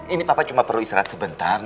ini papa cuma perlu istirahat sebentar